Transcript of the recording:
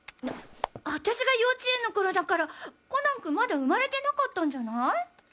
私が幼稚園の頃だからコナン君まだ生まれてなかったんじゃない？